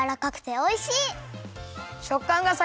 おいしい！